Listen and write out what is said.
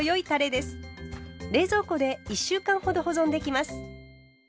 冷蔵庫で１週間ほど保存できます。